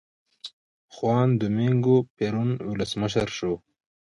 خوان دومینګو پېرون ولسمشر شو.